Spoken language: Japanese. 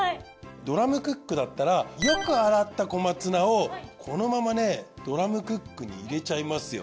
ドラムクックだったらよく洗った小松菜をこのままねドラムクックに入れちゃいますよ。